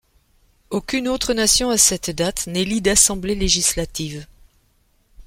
Aucune autre nation à cette date n'élit d'assemblée législative.